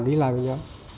đi làm nhau